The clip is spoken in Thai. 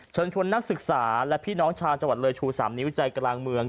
เชิญชวนนักศึกษาและพี่น้องชาวจังหวัดเลยชู๓นิ้ววิจัยกลางเมือง